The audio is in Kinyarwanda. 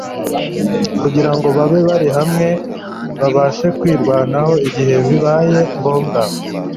kugira ngo babe bari hamwe babashe kwirwanaho igihe bibaye ngombwa.